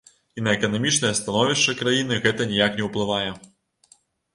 І на эканамічнае становішча краіны гэта ніяк не ўплывае.